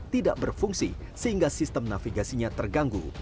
tidak berfungsi sehingga sistem navigasinya terganggu